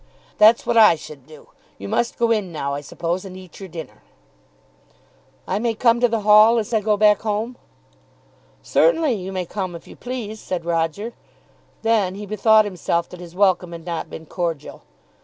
"That's what I should do. You must go in now, I suppose, and eat your dinner." "I may come to the hall as I go back home?" "Certainly you may come if you please," said Roger. Then he bethought himself that his welcome had not been cordial.